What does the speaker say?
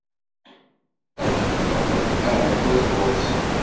Ad d-ddmeɣ aɛekkaz ɣur-sen.